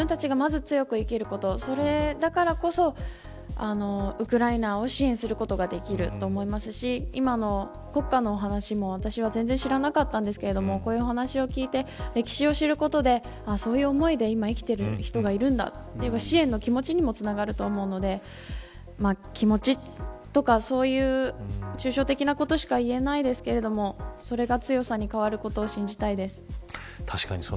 自分たちがまず強く生きることそれだからこそウクライナを支援することができると思いますし今の国歌のお話も、私は全然知らなかったんですけれどこういうお話を聞いて歴史を知ることで、そういう思いで今、生きている人がいるんだという支援の気持ちにもつながると思うので気持ちとかそういう抽象的なことしか言えないですけれどそれが強さに変わることを信じたいです。